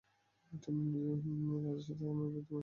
তিনি নিজেই রাজা সীতারাম এর বিরুদ্ধে ব্যবস্থা গ্রহণে সচেষ্ট হন।